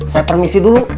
saya permisi dulu